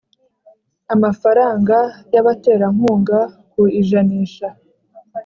amafaranga y abaterankunga ku ijanisha